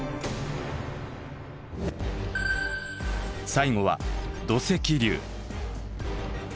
最後は「土石流」。